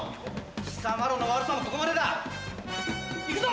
貴様らの悪さもここまでだ行くぞ！